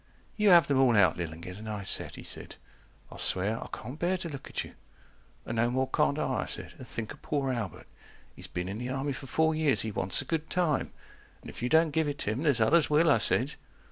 You have them all out, Lil, and get a nice set, He said, I swear, I can't bear to look at you. And no more can't I, I said, and think of poor Albert, He's been in the army four years, he wants a good time, And if you don't give it him, there's others will, I said.